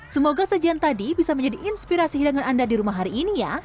semoga sajian tadi bisa menjadi inspirasi hidangan anda di rumah hari ini ya